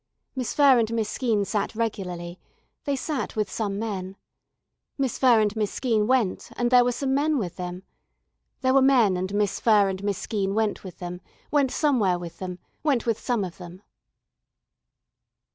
Miss Furr and Miss Skeene sat regularly, they sat with some men. Miss Furr and Miss Skeene went and there were some men with them. There were men and Miss Furr and Miss Skeene went with them, went somewhere with them, went with some of them.